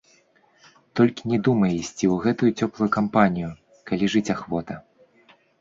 Толькі не думай ісці ў гэту цёплую кампанію, калі жыць ахвота.